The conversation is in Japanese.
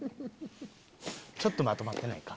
ちょっとまとまってないか？